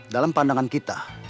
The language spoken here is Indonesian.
dalam pandangan kita